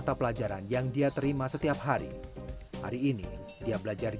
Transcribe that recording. apa yang pernah dipelajari